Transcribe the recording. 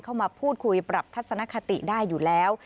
เข้ามาพูดคุยปรับทัศนคติได้อยู่แล้ว